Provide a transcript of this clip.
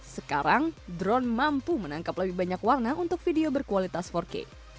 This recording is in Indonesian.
sekarang drone mampu menangkap lebih banyak warna untuk video berkualitas empat k